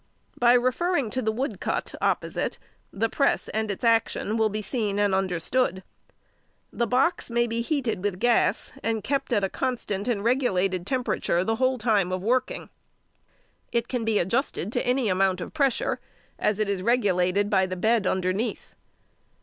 By referring to the woodcut opposite, the press and its action will be seen and understood. The box may be heated with gas, and kept at a constant and regulated temperature the whole time of working. It can be adjusted to any amount of pressure, as it is regulated by the bed underneath.